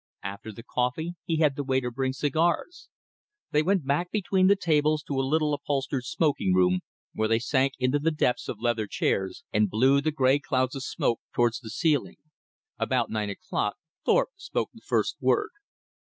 After the coffee he had the waiter bring cigars. They went back between the tables to a little upholstered smoking room, where they sank into the depths of leather chairs, and blew the gray clouds of smoke towards the ceiling. About nine o'clock Thorpe spoke the first word.